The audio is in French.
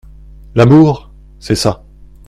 L'amour, c'est ça.